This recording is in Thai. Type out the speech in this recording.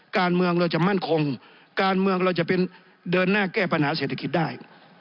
การเมืองเราจะมั่นคงการเมืองเราจะเป็นเดินหน้าแก้ปัญหาเศรษฐกิจได้